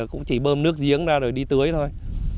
cũng chỉ bơm nước giếng ra rồi đi tưới thôi